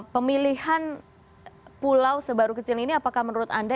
pemilihan pulau sebaru kecil ini apakah menurut anda